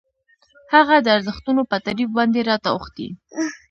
هغه د ارزښتونو په تعریف باندې راته اوښتي.